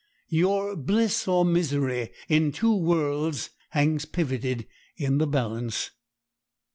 Your bliss or misery in two worlds hangs pivoted in the balance.